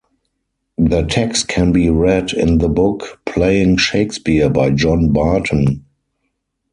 Their text can be read in the book "Playing Shakespeare" by John Barton.